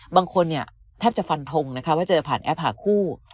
บางคนเนี่ยแทบจะฟันทงนะคะว่าเจอผ่านแอปหาคู่